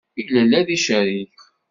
Illel ad icerreg.